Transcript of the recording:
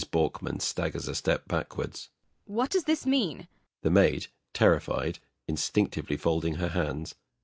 BORKMAN. [Staggers a step backwards.] What does this mean? THE MAID. [Terrified, instinctively folding her hands.